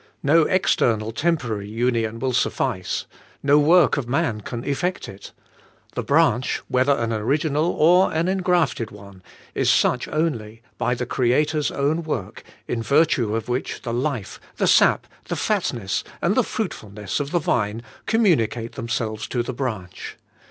No external, temporary union will suflBce; no work of man can effect it: the branch, whether an original or an engrafted one, is such only by the Creator's own work, in virtue of which the life, the sap, the fatness, and the fruitfulness of the vine communicate themselves to the branch.